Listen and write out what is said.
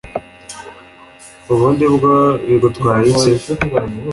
ubundi bwo bigutwayiki